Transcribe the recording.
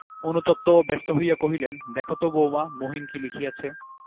অনুতপ্ত ও ব্যস্ত হইয়া কহিলেন, দেখো তো বউমা, মহিন কী লিখিয়াছে।